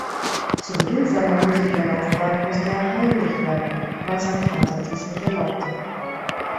Zu Beginn seiner Musikerlaufbahn musste er heimlich rappen, weil sein Vater dies nicht erlaubte.